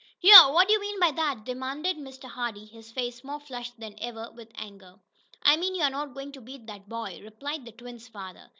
"Here! What'd you mean by that?" demanded Mr. Hardee, his face more flushed than ever with anger. "I mean you're not going to beat that boy!" replied the twins' father.